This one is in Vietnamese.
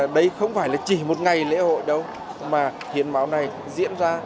đây không phải chỉ một ngày lễ hội đâu mà hiến máu này diễn ra